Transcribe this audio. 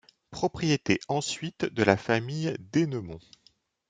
Propriété ensuite de la famille d'Ennemond.